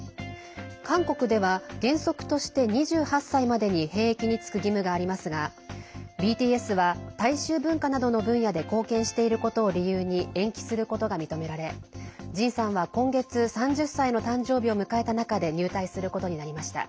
韓国では原則として２８歳までに兵役に就く義務がありますがＢＴＳは大衆文化などの分野で貢献していることを理由に延期することが認められジンさんは今月３０歳の誕生日を迎えた中で入隊することになりました。